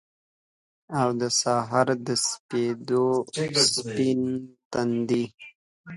او دسهار دسپیدو ، سپین تندی